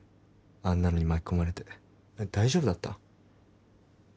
あんなのに巻き込まれて大丈夫だった？